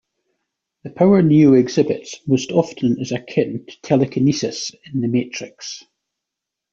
The power Neo exhibits most often is akin to telekinesis in the Matrix.